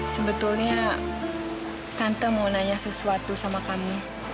sebetulnya tante mau nanya sesuatu sama kami